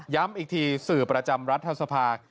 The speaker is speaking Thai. ย้ำอีกทีสื่อประจำรัฐศาสตร์ภาค